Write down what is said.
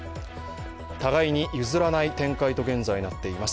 互いに譲らない展開と現在なっています。